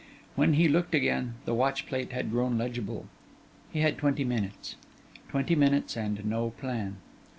When he looked again, the watch plate had grown legible: he had twenty minutes. Twenty minutes, and no plan!